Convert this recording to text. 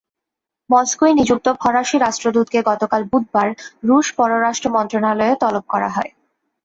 মস্কোয় নিযুক্ত ফরাসি রাষ্ট্রদূতকে গতকাল বুধবার রুশ পররাষ্ট্র মন্ত্রণালয়ে তলব করা হয়।